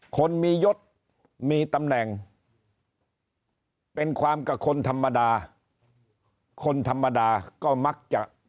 คนมียศมีตำแหน่งเป็นความกับคนธรรมดาคนธรรมดาก็มักจะ